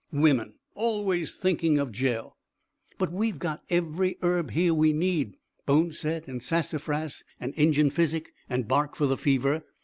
"Women always thinking of jell!" "But we got every herb here we need boneset and sassafras and Injun physic and bark for the fever.